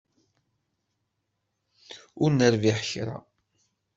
Ur nerbiḥ kra.